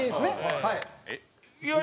はい。